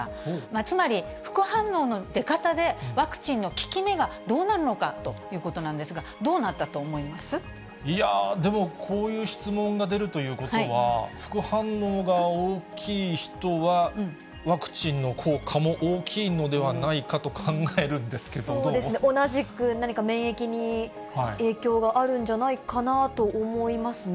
つまり、副反応の出方で、ワクチンの効き目がどうなるのかということなんですが、どうなったと思いやぁ、でも、こういう質問が出るということは、副反応が大きい人はワクチンの効果も大きいのではないかと考えるそうですね、同じく、何か免疫に影響があるんじゃないかなと思いますね。